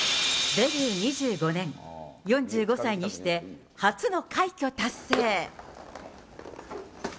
デビュー２５年、４５歳にして、初の快挙達成。